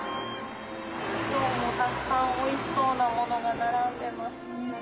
今日もたくさんおいしそうなものが並んでます。